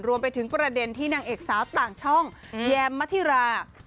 รวมไปถึงประเด็นที่นางเอกสาวต่างช่องแยมมธิรา